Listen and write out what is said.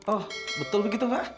oh betul begitu pak